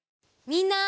みんな！